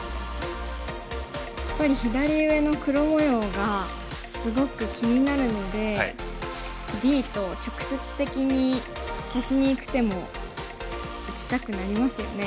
やっぱり左上の黒模様がすごく気になるのでＢと直接的に消しにいく手も打ちたくなりますよね。